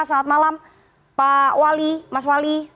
selamat malam pak wali mas wali